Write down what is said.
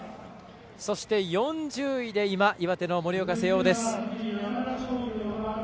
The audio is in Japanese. そして、４０位で岩手の盛岡誠桜です。